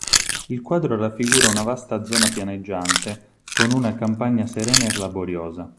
Il quadro raffigura una vasta zona pianeggiante con una campagna serena e laboriosa.